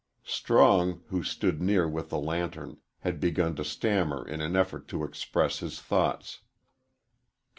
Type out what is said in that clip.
Strong, who stood near with the lantern, had begun to stammer in an effort to express his thoughts.